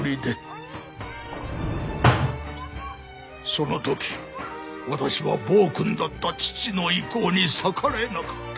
その時私は暴君だった父の意向に逆らえなかった。